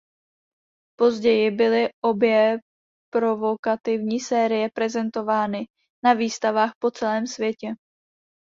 Později byly obě provokativní série prezentovány na výstavách po celém světě.